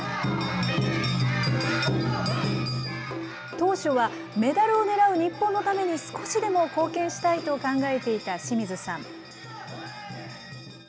当初はメダルを狙う日本のために、少しでも貢献したいと考えていた清水さん。